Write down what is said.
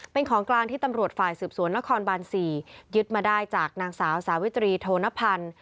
เป็นของกลางที่ตำรวจฝ่ายสืบสวนนครบาน๔ยึดมาได้จากนางสาวสาวิตรีโธนพันธ์